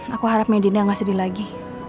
aku harapnya dina gak sedih lagi